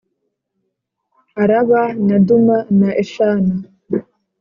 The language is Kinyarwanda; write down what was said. Araba na duma na eshana